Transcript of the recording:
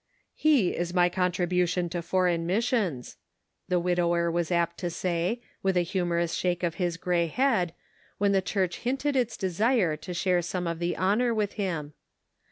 "He is my contribution to Foreign Missions," the widower was apt to say, with a humorous shake of his gray head, when the church hinted its desire to share some of the honor with him.